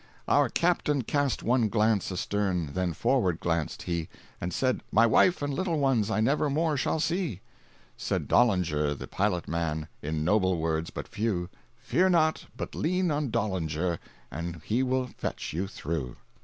Our captain cast one glance astern, Then forward glancèd he, And said, "My wife and little ones I never more shall see." Said Dollinger the pilot man, In noble words, but few,—"Fear not, but lean on Dollinger, And he will fetch you through." 370.